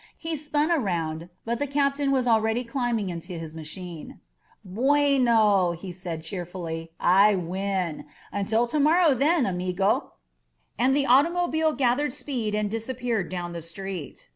He spun around, but the captain was already climbing into his machine. Buenor he said cheerfully. "I win. Until to mor row then, amigoT* And the automobile gathered speed and disappeared down the street.